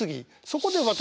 そこで私